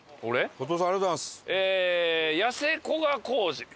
後藤さんありがとうございます。